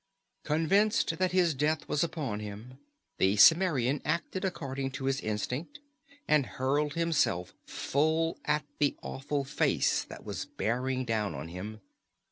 Convinced that his death was upon him, the Cimmerian acted according to his instinct, and hurled himself full at the awful face that was bearing down on him.